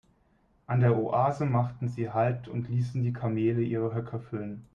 An der Oase machten sie Halt und ließen die Kamele ihre Höcker füllen.